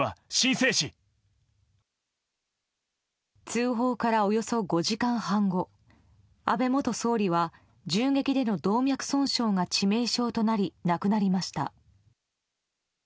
通報からおよそ５時間半後安倍元総理は銃撃での動脈損傷が致命傷となり亡くなりました。